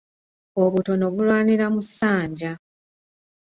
Obutono bulwanira mu ssanja.